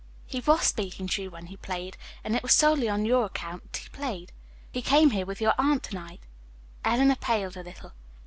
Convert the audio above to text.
He was speaking to you when he played, and it was solely on your account that he played. He came here with your aunt to night." Eleanor paled a little.